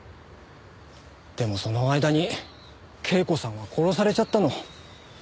でもその間に恵子さんは殺されちゃったの。